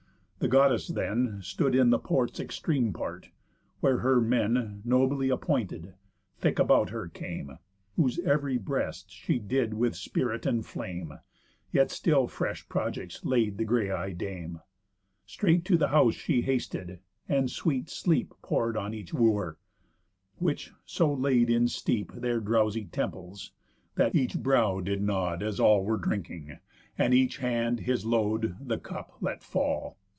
The Goddess then Stood in the port's extreme part, where her men, Nobly appointed, thick about her came, Whose ev'ry breast she did with spirit enflame. Yet still fresh projects laid the grey eyed Dame. Straight to the house she hasted, and sweet sleep Pour'd on each Wooer; which so laid in steep Their drowsy temples, that each brow did nod, As all were drinking, and each hand his load, The cup, let fall.